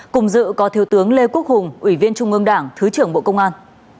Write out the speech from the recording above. cùng dự có thiếu tướng lê quốc hùng ủy viên trung ương đảng thứ trưởng bộ công an